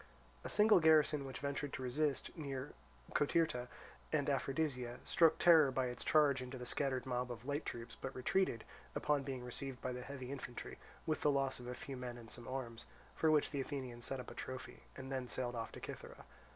A single garrison which ventured to resist, near Cotyrta and Aphrodisia, struck terror by its charge into the scattered mob of light troops, but retreated, upon being received by the heavy infantry, with the loss of a few men and some arms, for which the Athenians set up a trophy, and then sailed off to Cythera.